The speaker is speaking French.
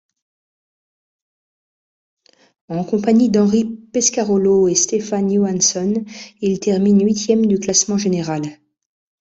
En compagnie de Henri Pescarolo et Stefan Johansson, il termine huitième du classement général.